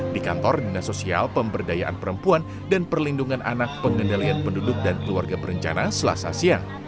di kantor dinas sosial pemberdayaan perempuan dan perlindungan anak pengendalian penduduk dan keluarga berencana selasa siang